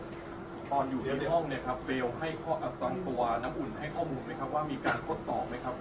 ตอนอยู่ที่ห้องเนี้ยครับเบลให้ข้ออัตรังตัวน้ำอุ่นให้ข้อมูลไหมครับ